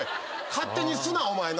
勝手にすなお前。